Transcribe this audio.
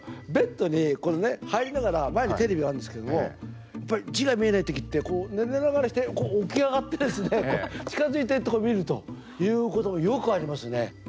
ベッドに入りながら前にテレビがあるんですけどもやっぱり字が見えないときって寝ながらしてこう起き上がってですね近づいて見るということがよくありますね。